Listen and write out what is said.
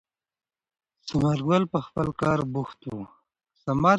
ثمر ګل په خپل کار بوخت و.